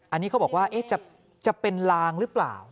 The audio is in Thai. อันนี้เขาบอกว่าจะเป็นลางหรือเปล่า